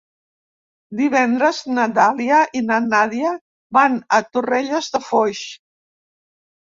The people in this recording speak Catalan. Divendres na Dàlia i na Nàdia van a Torrelles de Foix.